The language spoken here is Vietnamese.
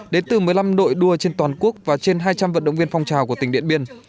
đến từ một mươi năm đội đua trên toàn quốc và trên hai trăm linh vận động viên phong trào của tỉnh điện biên